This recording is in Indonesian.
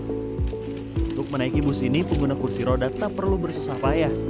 untuk menaiki bus ini pengguna kursi roda tak perlu bersusah payah